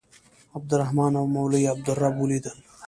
عبدالرحمن او مولوي عبدالرب ولیدل.